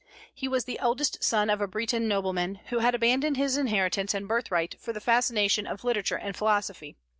He was the eldest son of a Breton nobleman, who had abandoned his inheritance and birthright for the fascinations of literature and philosophy.